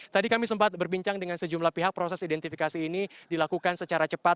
tadi kami sempat berbincang dengan sejumlah pihak proses identifikasi ini dilakukan secara cepat